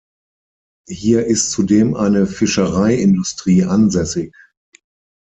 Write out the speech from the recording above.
Hier ist zudem eine Fischereiindustrie ansässig.